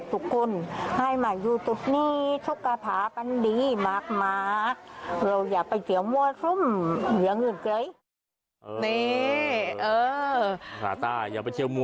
ทุกวันครูเจนจิราเนี่ยเขาก็จะรับคุณยายมาเต้นด้วยทุกครั้งเลย